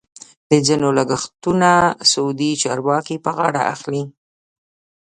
د ځینو لګښتونه سعودي چارواکي په غاړه اخلي.